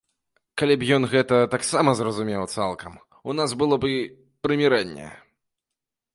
Калі б ён гэта таксама зразумеў цалкам, у нас было б і прымірэнне.